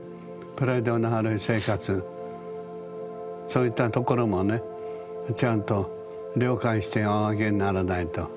プライドのある生活そういったところもねちゃんと了解しておあげにならないと。